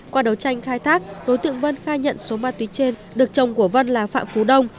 qua đấu tranh khai thác đối tượng vân khai nhận số ma túy trên được chồng của vân là phạm phú đông